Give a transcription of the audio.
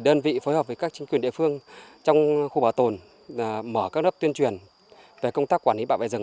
đơn vị phối hợp với các chính quyền địa phương trong khu bảo tồn mở các lớp tuyên truyền về công tác quản lý bảo vệ rừng